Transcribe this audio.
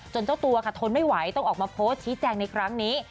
เจ้าตัวค่ะทนไม่ไหวต้องออกมาโพสต์ชี้แจงในครั้งนี้